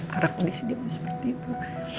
kharap kondisi dia bisa seperti itu